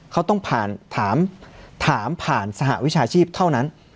เขาต้องผ่านถามผ่านสหวิชาชีพเท่านั้น